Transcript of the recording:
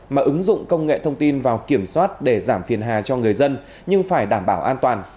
mà ứng dụng công nghệ thông tin vào kiểm soát để giảm phiền hà cho người dân nhưng phải đảm bảo an toàn